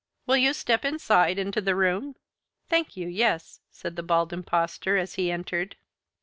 "Will you step inside into the room?" "Thank you, yes," said the Bald Impostor, as he entered.